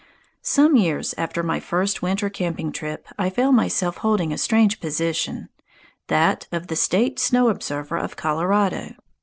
Some years after my first winter camping trip, I found myself holding a strange position, that of the "State Snow Observer of Colorado."